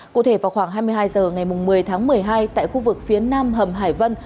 cụ thể vào khoảng hai mươi hai h ngày một mươi tháng một mươi hai tại khu vực phía nam hầm hải vân